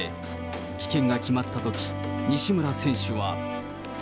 棄権が決まったとき、西村選手は。